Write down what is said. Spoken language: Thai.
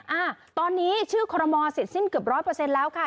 อ่าตอนนี้ชื่อคอรมอเสร็จสิ้นเกือบร้อยเปอร์เซ็นต์แล้วค่ะ